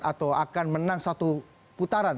atau akan menang satu putaran